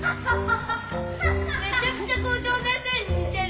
めちゃくちゃ校長先生ににてる。